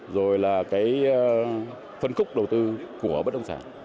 rồi là cái phân khúc đầu tư của bất động sản